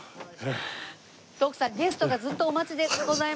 徳さんゲストがずっとお待ちでございます。